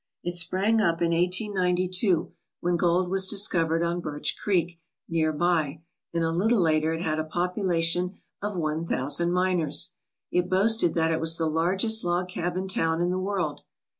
It sprang up in 1892, when gold was discovered on Birch Creek near by, and a little later it had a population of one thousand miners. It boasted that it was the largest log cabin town in the world.